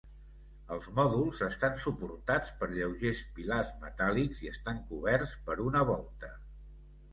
Els mòduls estan suportats per lleugers pilars metàl·lics i estan coberts per una volta.